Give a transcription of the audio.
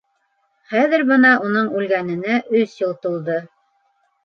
Хәҙер бына уның үлгәненә өс йыл тулды.